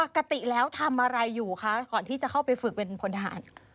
ปกติแล้วทำอะไรอยู่คะก่อนที่จะเข้าไปฝึกเป็นพลทหาร